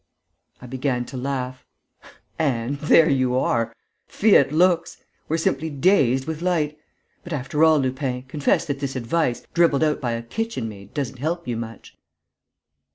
_" I began to laugh: "And there you are! Fiat lux! We're simply dazed with light! But, after all, Lupin, confess that this advice, dribbled out by a kitchen maid, doesn't help you much!"